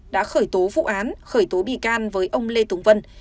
đã khởi tố vụ án khởi tố bị can với ông lê tùng vân